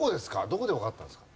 どこでわかったんですか？